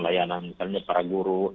layanan misalnya para guru